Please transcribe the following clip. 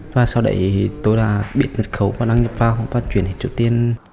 và sau đấy tôi đã biệt mật khấu và đăng nhập vào và chuyển đến chủ tiên